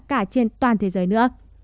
cả trên toàn thế giới nữa